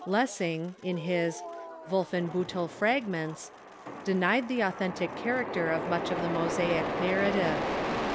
Lessing, in his " Wolfenbiittel Fragments," denied the authentic character of much of the Mosaic narrative.